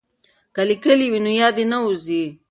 که لیکل وي نو یاد نه وځي.